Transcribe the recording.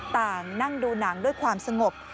ต่างนั่งดูหนังด้วยความสงบ